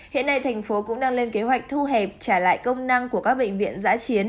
hiện nay thành phố cũng đang lên kế hoạch thu hẹp trả lại công năng của các bệnh viện giã chiến